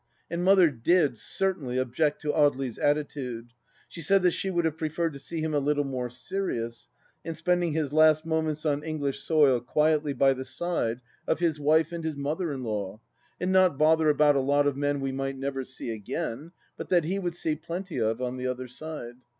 And Mother did certainly object to Audely's attitude ; she said that she would have pre ferred to see him a little more serious, and spending his last moments on English soil quietly by the side of his wife and his mother in law, and not bother about a lot of men we might never see again, but that he would see plenty of on the other side.